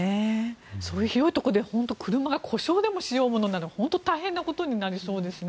そういう広いところで車が故障しようものなら大変なことになりそうですね。